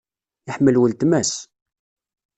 Iḥemmel wletma-s.